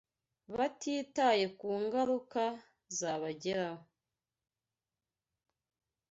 batitaye ku ngaruka zabageraho